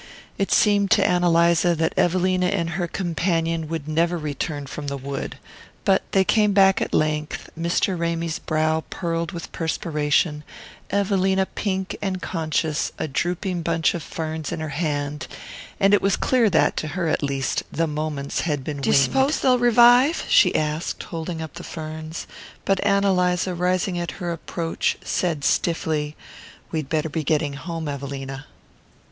It seemed to Ann Eliza that Evelina and her companion would never return from the wood; but they came at length, Mr. Ramy's brow pearled with perspiration, Evelina pink and conscious, a drooping bunch of ferns in her hand; and it was clear that, to her at least, the moments had been winged. "D'you suppose they'll revive?" she asked, holding up the ferns; but Ann Eliza, rising at her approach, said stiffly: "We'd better be getting home, Evelina."